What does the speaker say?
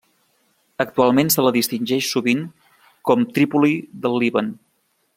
Actualment se la distingeix sovint com Trípoli del Líban.